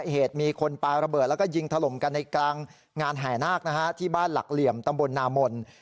เหตุมีคนปลาระเบิดแล้วก็ยิงถล่มกันในกลางงานแห่นาคนะฮะที่บ้านหลักเหลี่ยมตำบลนามน